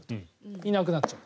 いなくなっちゃう。